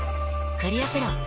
クリアプロだＣ。